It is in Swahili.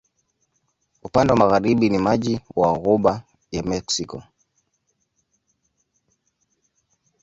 Upande wa magharibi ni maji wa Ghuba ya Meksiko.